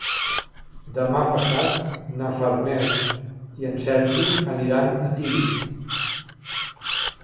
Demà passat na Farners i en Sergi aniran a Tírig.